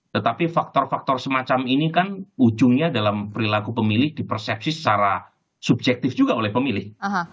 tetapi faktor faktor semacam ini kan ujungnya dalam perilaku pemilih dipersepsi secara subjektif juga oleh pemilih